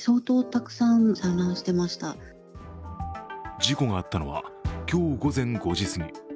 事故があったのは今日午前５時すぎ。